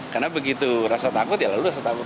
karena begitu rasa takut ya lalu rasa takut